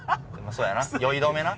そやな酔い止めな。